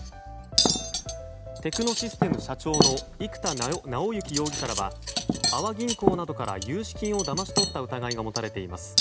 テクノシステム社長の生田尚之容疑者らは阿波銀行などから融資金をだまし取った疑いが持たれています。